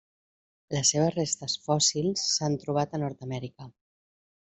Les seves restes fòssils s'han trobat a Nord-amèrica.